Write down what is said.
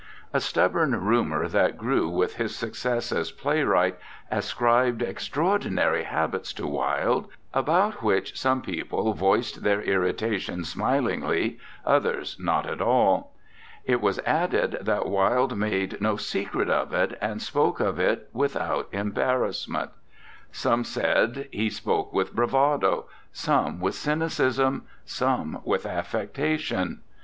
A stubborn rumor that grew with his success as playwright ascribed extraor dinary habits to Wilde, about which some people voiced their irritation smil ingly, others not at all; it was added that Wilde made no secret of it, and spoke of it without embarrassment some said 40 ANDRE GIDE he spoke with bravado, some with cyn icism, some with affectation.